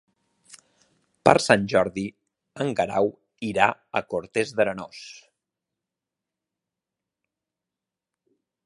Per Sant Jordi en Guerau irà a Cortes d'Arenós.